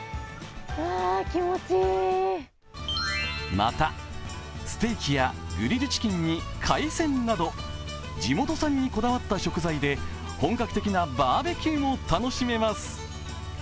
また、ステーキやグリルチキンに海鮮など地元産にこだわった食材で本格的なバーベキューも楽しめます。